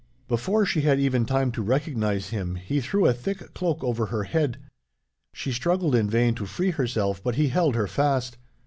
"Before she had even time to recognize him, he threw a thick cloak over her head. She struggled in vain to free herself, but he held her fast.